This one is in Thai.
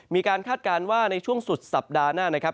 มีการคาดการณ์ว่าในช่วงสุดสัปดาห์หน้า